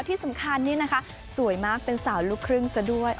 ที่สำคัญนี่นะคะสวยมากเป็นสาวลูกครึ่งซะด้วย